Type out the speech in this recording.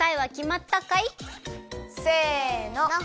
せの！